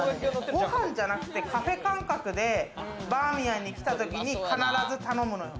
ご飯じゃなくてカフェ感覚でバーミヤンに来た時に必ず頼むのよ。